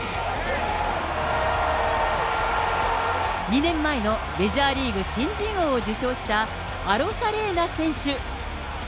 ２年前のメジャーリーグ新人王を受賞したアロサレーナ選手。